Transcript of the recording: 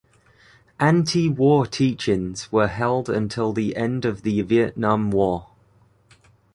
Antiwar teach-ins were held until the end of the Vietnam War.